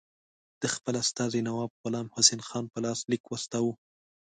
د خپل استازي نواب غلام حسین خان په لاس لیک واستاوه.